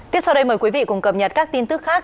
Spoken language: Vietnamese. tiếp sau đây mời quý vị cùng cập nhật các tin tức khác